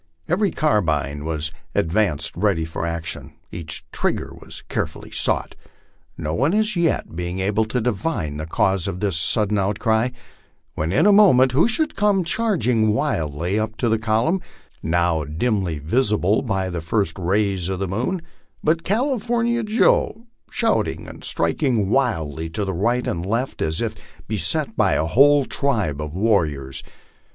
Every carbine was advanced ready for action, each trigger was carefully sought, no one as yet being able to divine the cause of this sudden outcry, when in a moment who should come charging wildly up to the column, now dimly visible by the first ra3 r s of the moon, but California Joe, shouting and striking wildly to the right and left as if beset by a whole tribe of warriors.